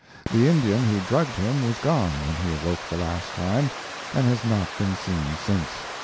The Indian who drugged him was gone when he awoke the last time, and has not been seen since.